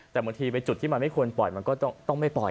แต่บางทีไปจุดที่มันไม่ควรปล่อยมันก็ต้องไม่ปล่อย